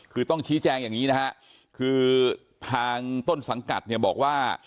คือต้องชี้แจงอย่างนี้นะฮะคือทางต้นสังกัดเนี่ยบอกว่า